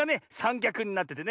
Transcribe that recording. きゃくになっててね